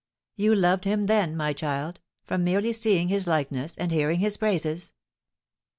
"You loved him, then, my child, from merely seeing his likeness and hearing his praises?"